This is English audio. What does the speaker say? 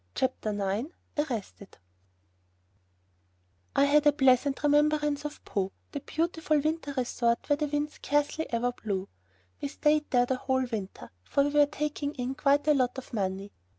CHAPTER IX ARRESTED I had a pleasant remembrance of Pau, the beautiful winter resort where the wind scarcely ever blew. We stayed there the whole winter, for we were taking in quite a lot of money.